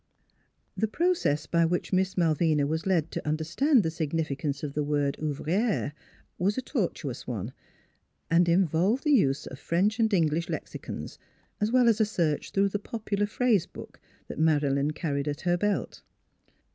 The process by which Miss Malvina was led to understand the significance of the word ouvriere was a tortuous one, and involved the use of the French and English lexicons, as well as a search through the popular phrase book Madeleine car ried at her belt.